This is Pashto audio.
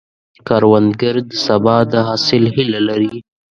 کروندګر د سبا د حاصل هیله لري